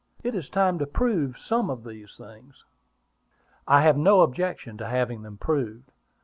It is time to prove some of these things." "I have no objection to having them proved."